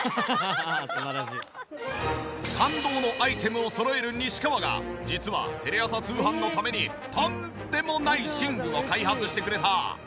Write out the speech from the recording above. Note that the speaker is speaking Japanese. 感動のアイテムを揃える西川が実はテレ朝通販のためにとんでもない寝具を開発してくれた。